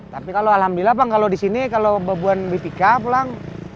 tapi kalau alhamdulillah kalau di sini kalau buat bpk pulang